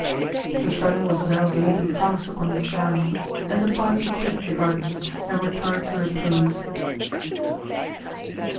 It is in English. The sun was now gaining fast upon the sky, and the party quitted the gardens, and retired to repose.